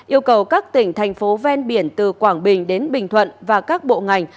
yêu cầu các tỉnh thành phố ven biển từ quảng bình đến bình thuận và các bộ ngành